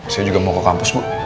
saya juga mau ke kampus bu